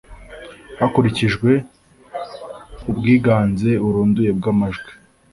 hakurikijwe ubwiganze burunduye bw amajwi